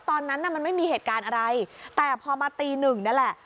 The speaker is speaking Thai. ตอนนั้นน่ะมันไม่มีเหตุการณ์อะไรแต่พอมาตีหนึ่งนั่นแหละ